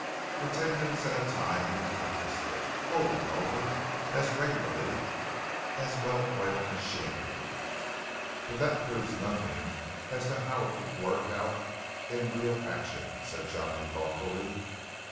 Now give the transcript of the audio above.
For ten minutes at a time he practised it, over and over, as regularly as well oiled machinery. "But that proves nothing as to how it would work out in real action," said Johnny thoughtfully.